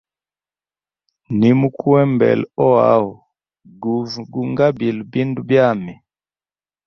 Nimukuembela oaho guve gu ngabile bindu byami.